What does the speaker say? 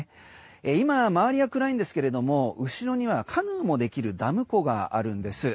今、周りは暗いんですが後ろにはカヌーもできるダム湖があるんです。